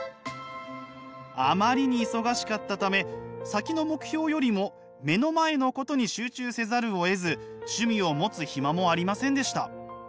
あまりに忙しかったため先の目標よりも目の前のことに集中せざるをえず趣味を持つ暇もありませんでした。